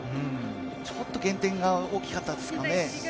ちょっと減点が大きかったですかね。